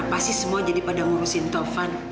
kenapa sih semua jadi pada ngurusin taufan